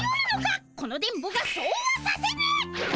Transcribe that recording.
この電ボがそうはさせぬ！